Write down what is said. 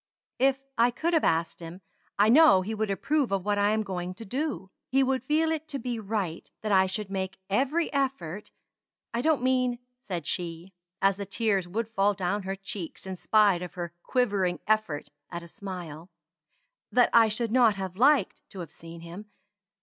"If I could have asked him, I know he would approve of what I am going to do. He would feel it to be right that I should make every effort I don't mean," said she, as the tears would fall down her cheeks in spite of her quivering effort at a smile, "that I should not have liked to have seen him.